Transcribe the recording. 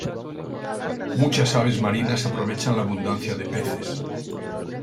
Muchas aves marinas aprovechan la abundancia de peces.